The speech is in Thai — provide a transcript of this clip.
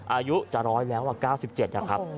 อายุจะร้อยแล้วว่า๙๗นะครับ